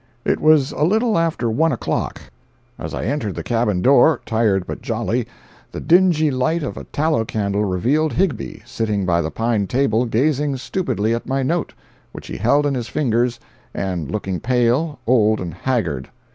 It was a little after one o'clock. As I entered the cabin door, tired but jolly, the dingy light of a tallow candle revealed Higbie, sitting by the pine table gazing stupidly at my note, which he held in his fingers, and looking pale, old, and haggard.